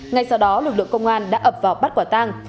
ngay sau đó lực lượng công an đã ập vào bắt quả tang